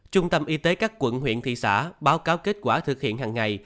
trung tâm y tế các quận huyện thị xã báo cáo kết quả thực hiện hàng ngày